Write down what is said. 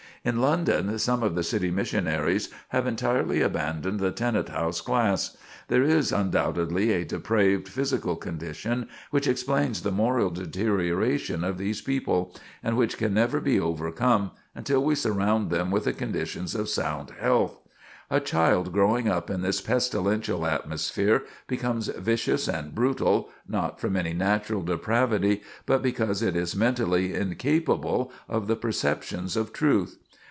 In London, some of the city missionaries have entirely abandoned the tenant house class. There is, undoubtedly, a depraved physical condition which explains the moral deterioration of these people, and which can never be overcome until we surround them with the conditions of sound health. A child growing up in this pestilential atmosphere becomes vicious and brutal, not from any natural depravity, but because it is mentally incapable of the perceptions of truth.